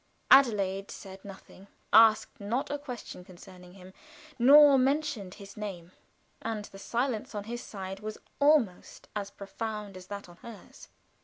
Adelaide said nothing, asked not a question concerning him, nor mentioned his name, and the silence on his side was almost as profound as that on hers.